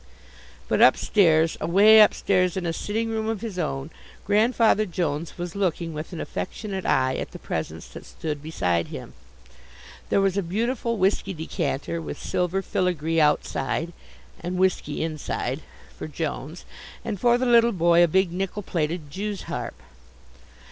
But upstairs, away upstairs in a sitting room of his own Grandfather Jones was looking with an affectionate eye at the presents that stood beside him. There was a beautiful whisky decanter, with silver filigree outside (and whiskey inside) for Jones, and for the little boy a big nickel plated Jew's harp.